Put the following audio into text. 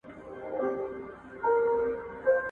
که اتڼ نه وي د واده مراسم نیمګړي ښکاري.